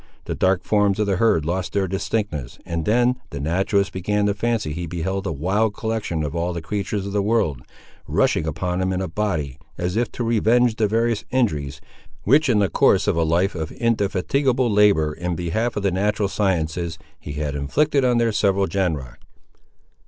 The dark forms of the herd lost their distinctness, and then the naturalist began to fancy he beheld a wild collection of all the creatures of the world, rushing upon him in a body, as if to revenge the various injuries, which in the course of a life of indefatigable labour in behalf of the natural sciences, he had inflicted on their several genera.